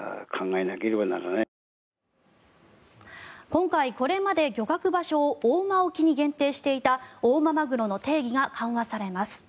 今回、これまで漁獲場所を大間沖に限定していた大間まぐろの定義が緩和されます。